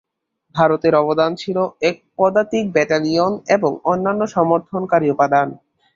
ভারতের অবদান ছিল এক পদাতিক ব্যাটালিয়ন এবং অন্যান্য সমর্থনকারী উপাদান।